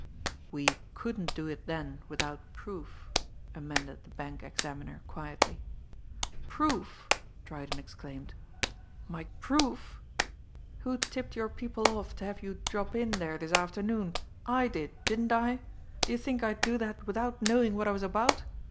"We couldn't do it then without proof," amended the bank examiner quietly. "Proof!" Dryden exclaimed. "My God proof! Who tipped your people off to have you drop in there this afternoon? I did, didn't I? Do you think I'd do that without knowing what I was about!